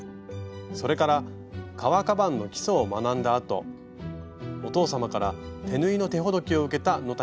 それから革カバンの基礎を学んだあとお父様から手縫いの手ほどきを受けた野谷さん。